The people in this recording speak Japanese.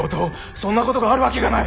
そんなことがあるわけがない。